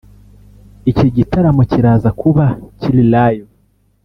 Iki gitaramo kiraza kuba kiri Live